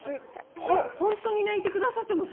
本当に泣いてくださってます？